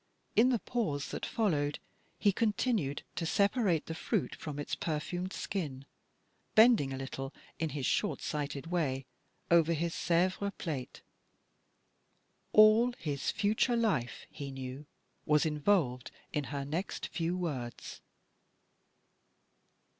In the pause that followed he continued to separate the fruit from its per fumed skin, bending a little, in his short sighted way, over his Sevres plate. All his future life, he knew, was involved in her next few words.